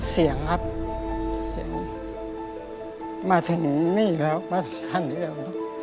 เสียงครับมาถึงนี่แล้ว